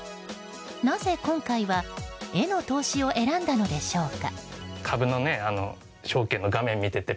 なぜ今回は絵の投資を選んだのでしょうか。